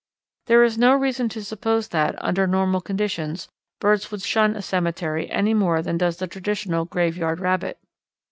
There is no reason to suppose that, under normal conditions, birds would shun a cemetery any more than does the traditional graveyard rabbit.